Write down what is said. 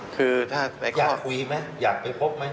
คือถ้าในข้ออยากคุยมั้ยอยากไปพบมั้ย